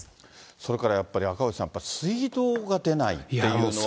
それからやっぱり赤星さん、水道が出ないっていうのは。